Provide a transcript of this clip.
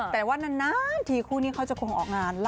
แต่ว่านานทีคู่นี้เขาจะคงออกงาน